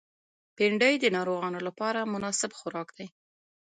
بېنډۍ د ناروغانو لپاره مناسب خوراک دی